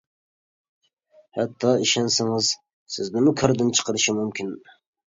ھەتتا ئىشەنسىڭىز سىزنىمۇ كاردىن چىقىرىشى مۇمكىن!